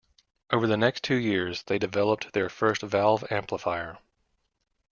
Over the next two years they developed their first valve amplifier.